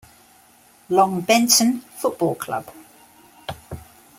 Longbenton Football Club.